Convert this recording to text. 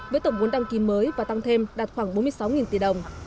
với tổng vốn đăng ký mới và tăng thêm đạt khoảng bốn mươi sáu tỷ đồng